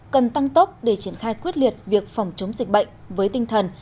cần tăng tốc để triển khai quyết liệt việc phòng chống dịch bệnh với tinh thần